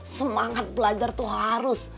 semangat belajar tuh harus